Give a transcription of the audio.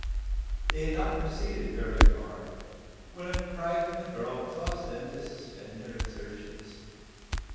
They had not proceeded very far, when a cry from the girl caused them to suspend their exertions.